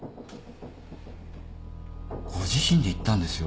ご自身で言ったんですよ。